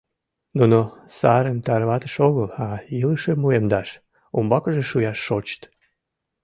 Нуно сарым тарваташ огыл, а илышым уэмдаш, умбакыже шуяш шочыт.